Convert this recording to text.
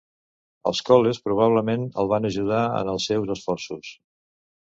Els Coles probablement el van ajudar en els seus esforços.